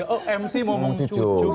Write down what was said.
oh mc mau mengucu